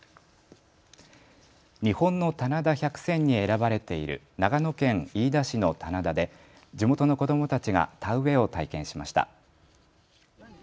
日本の棚田百選に選ばれている長野県飯田市の棚田で地元の子どもたちが田植えを体験しました。